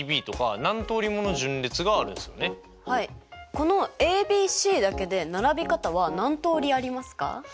このＡＢＣだけで並び方は何通りありますか？